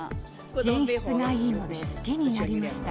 品質がいいので好きになりました。